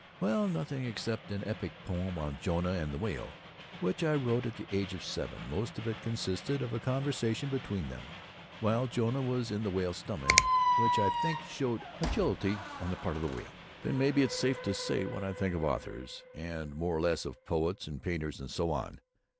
"Well, nothing except an epic poyem on Jonah and the Whale, which I wrote at the age of seven. Most of it consisted of a conversation between them, while Jonah was in the Whale's stomach, which I think showed agility on the part of the Whale." "Then maybe it's safe to say what I think of authors—and more or less of poets and painters and so on.